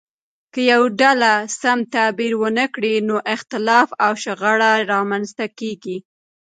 که یوه ډله سم تعبیر ونه کړي نو اختلاف او شخړه رامنځته کیږي.